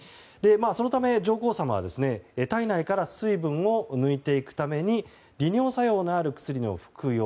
そのため上皇さまは体内から水分を抜いていくために利尿作用のある薬を服用。